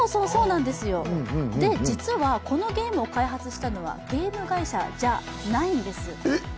実はこのゲームを開発したのはゲーム会社じゃないんです。